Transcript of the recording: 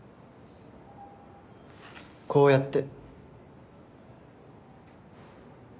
こうやって。